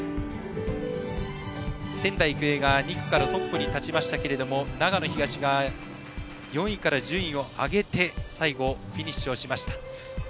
仙台育英が２区からトップに立ちましたが長野東が４位から順位を上げて最後、フィニッシュしました。